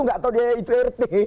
gak tau dia itu rt